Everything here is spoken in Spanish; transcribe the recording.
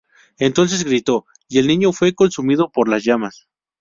Entonces gritó, y el niño fue consumido por las llamas.